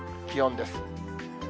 気温です。